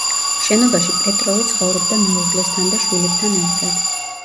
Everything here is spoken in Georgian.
შენობაში პეტროვი ცხოვრობდა მეუღლესთან და შვილებთან ერთად.